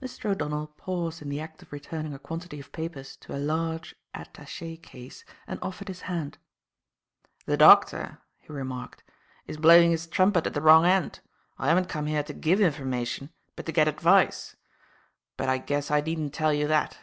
Mr. O'Donnell paused in the act of returning a quantity of papers to a large attache case and offered his hand. "The doctor," he remarked, "is blowing his trumpet at the wrong end. I haven't come here to give information but to get advice. But I guess I needn't tell you that."